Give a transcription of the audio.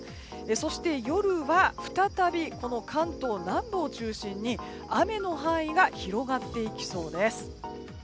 そして夜は再び関東南部を中心に雨の範囲が広がっていきそうです。